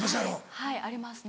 はいありますね。